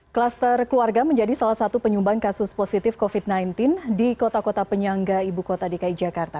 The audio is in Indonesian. kluster keluarga menjadi salah satu penyumbang kasus positif covid sembilan belas di kota kota penyangga ibu kota dki jakarta